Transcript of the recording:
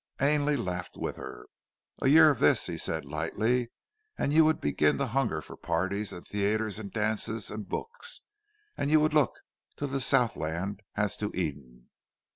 Ainley laughed with her. "A year of this," he said, lightly, "and you would begin to hunger for parties and theatres and dances and books and you would look to the Southland as to Eden."